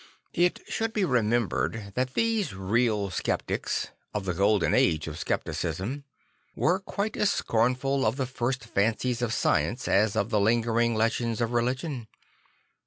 It should be remembered that these real sceptics, of the golden age of scepticism, were quite as scornful of the first fancies of science as of the lingering legends of religion.